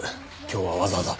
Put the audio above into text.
今日はわざわざ。